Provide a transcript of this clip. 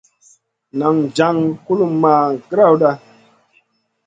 Nan jaŋ kulomʼma grawda.